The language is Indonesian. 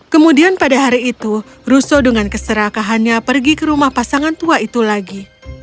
kemudian pada hari itu russo dengan keserakahannya pergi ke rumah pasangan tua itu lagi